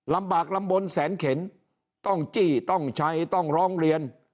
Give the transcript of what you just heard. ลำบากลำบลแสนเข็นต้องจี้ต้องใช้ต้องร้องเรียน